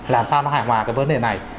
làm sao nó hài hòa cái vấn đề này